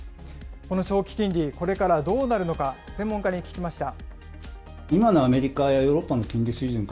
この長期金利、これからどうなるのか、専門家に聞きました。